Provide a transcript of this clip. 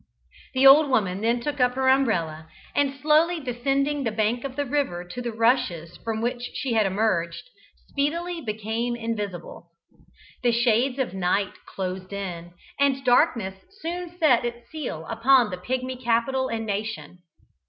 The old woman then took up her umbrella, and slowly descending the bank of the river to the rushes from which she had emerged, speedily became invisible. The shades of night closed in, and darkness soon set its seal upon the Pigmy capital and nation.